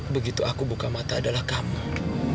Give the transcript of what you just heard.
begitu aku buka mata adalah kamar